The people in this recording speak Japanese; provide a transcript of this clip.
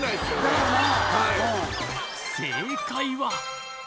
だよな。